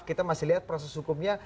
kita masih lihat proses hukumnya